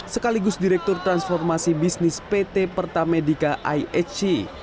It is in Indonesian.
sekaligus direktur transformasi bisnis pt pertamedika ihc